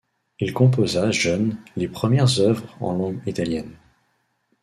Il composa jeune les premières œuvres en langue italienne.